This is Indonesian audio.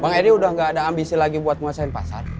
bang edi udah gak ada ambisi lagi buat nguasain pasar